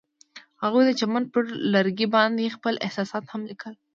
هغوی د چمن پر لرګي باندې خپل احساسات هم لیکل.